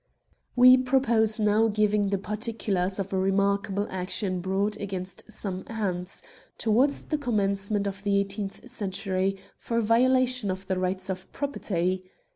" We propose now giving the particulars of a remarkable action brought against some ants, towards the commencement of the eighteenth century, for violation of the rights of property.